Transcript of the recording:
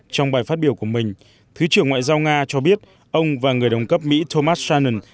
trong bài phát biểu của mình thứ trưởng ngoại giao nga cho biết ông và người đồng cấp mỹ thomas chinen